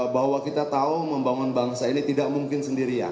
bahwa kita tahu membangun bangsa ini tidak mungkin sendirian